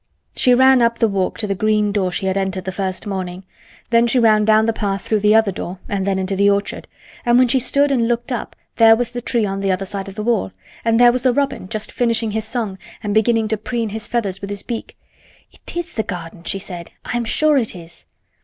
She ran up the walk to the green door she had entered the first morning. Then she ran down the path through the other door and then into the orchard, and when she stood and looked up there was the tree on the other side of the wall, and there was the robin just finishing his song and beginning to preen his feathers with his beak. "It is the garden," she said. "I am sure it is."